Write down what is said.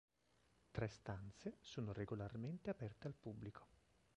Tre stanze sono regolarmente aperte al pubblico.